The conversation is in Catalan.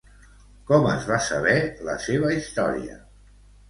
Com es va saber la seva història?